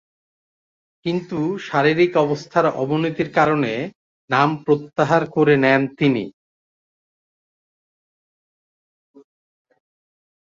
কিন্তু শারীরিক অবস্থার অবনতির কারণে নাম প্রত্যাহার করে নেন তিনি।